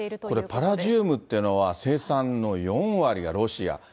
これ、パラジウムっていうのは、生産の４割がロシア。